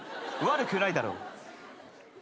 悪くないだろう。